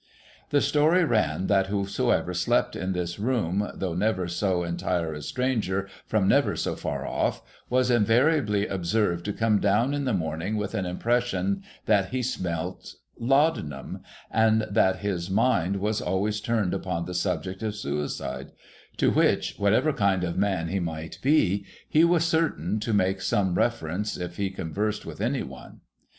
The story ran, that whosoever slept in this room, though never so entire a stranger, from never so far off, was invariably observed to come down in the morning with an impression that he smelt Laudanum, and that his mind always turned upon the subject of suicide ; to which, whatever kind of man he might be, he Avas certain to make some reference if he conversed with any one.